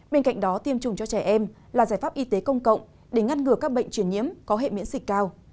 bên cạnh đó tiêm chủng cho trẻ em là giải pháp y tế công cộng để ngăn ngừa các bệnh truyền nhiễm có hệ miễn dịch cao